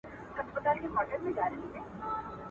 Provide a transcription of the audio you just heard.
غوړېدلی به ټغر وي د خوښیو اخترونو.